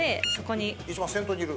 一番先頭にいる？